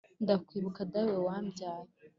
ndakwibuka dawe wambyaye